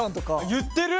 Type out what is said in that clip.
言ってる。